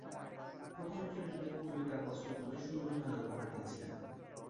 প্রথম বিশ্বযুদ্ধের পূর্বেকার বছরগুলোয় সুন্দর খেলা উপহার দিয়েছিলেন।